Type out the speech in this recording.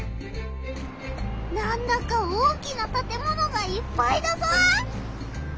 なんだか大きなたてものがいっぱいだぞ！